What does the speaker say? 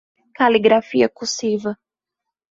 Caligrafia cursiva